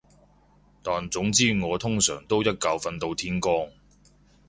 但總之我通常都一覺瞓到天光